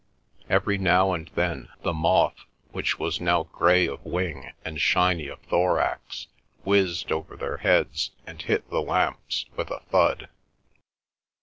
Every now and then the moth, which was now grey of wing and shiny of thorax, whizzed over their heads, and hit the lamps with a thud.